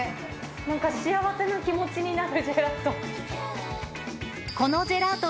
なんか幸せな気持ちになるジェラート。